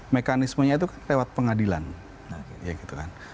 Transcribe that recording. mekanismenya itu lewat pengadilan